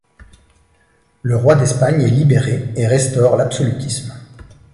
Le roi d'Espagne est libéré et restaure l'absolutisme.